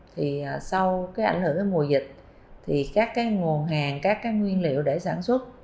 thì sau cái ảnh hưởng cái mùa dịch thì các cái nguồn hàng các cái nguyên liệu để sản xuất